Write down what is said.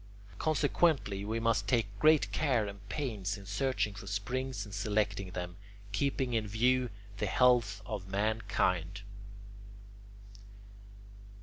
Consequently we must take great care and pains in searching for springs and selecting them, keeping in view the health of mankind.